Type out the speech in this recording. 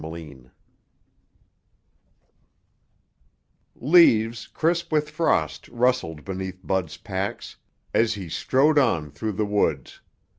chapter 11 Leaves crisp with frost rustled beneath Bud's pacs as he strode on through the woods.